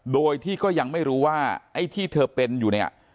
โดยที่ก็ยังไม่รู้ว่าไอ้ที่เธอเป็นอยู่เนี่ย